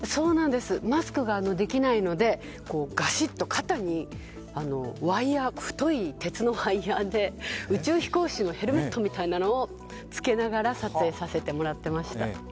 マスクができないので、がしっと肩に太い鉄のワイヤーで、宇宙飛行士のヘルメットみたいなものをつけながら撮影させてもらってました。